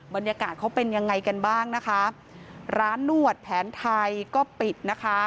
บรรยากาศเขาเป็นยังไงกันบ้างนะคะร้านนวดแผนไทยก็ปิดนะคะ